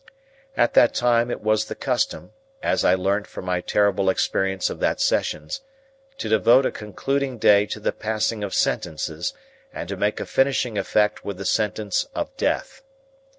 At that time, it was the custom (as I learnt from my terrible experience of that Sessions) to devote a concluding day to the passing of Sentences, and to make a finishing effect with the Sentence of Death.